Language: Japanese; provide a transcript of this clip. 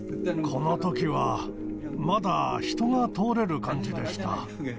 このときは、まだ人が通れる感じでした。